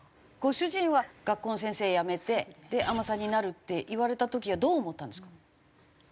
ご主人は学校の先生辞めて海女さんになるって言われた時はどう思ったんですか？